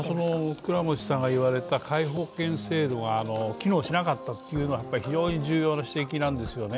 倉持先生がおっしゃった皆保険制度が機能しなかったというのは非常に重要な指摘なんですよね。